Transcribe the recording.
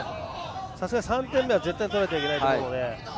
さすがに３点目は絶対に取られてはいけないので。